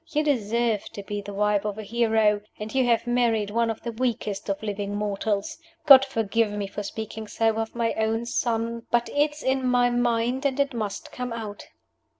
You deserve to be the wife of a hero, and you have married one of the weakest of living mortals. God forgive me for speaking so of my own son; but it's in my mind, and it must come out!"